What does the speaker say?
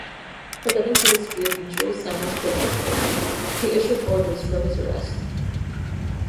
Pretending to dispute Jules Simon's credentials, he issued orders for his arrest.